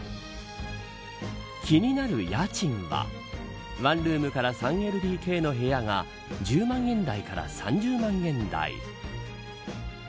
気になる家賃はワンルームから３ＬＤＫの部屋が１０万円台から３０万円台。